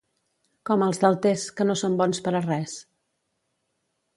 Com els d'Altés, que no són bons per a res.